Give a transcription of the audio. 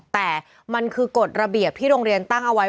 แต่มันคือกฎระเบียบที่โรงเรียนตั้งเอาไว้